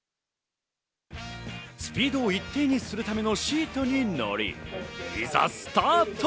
スピードを一定にするためのシートに乗り、いざスタート！